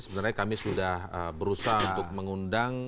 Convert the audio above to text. sebenarnya kami sudah berusaha untuk mengundang